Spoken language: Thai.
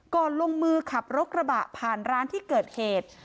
ลงมือขับรถกระบะผ่านร้านที่เกิดเหตุ